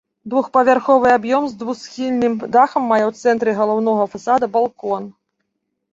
Двухпавярховы аб'ём з двухсхільным дахам мае ў цэнтры галоўнага фасада балкон.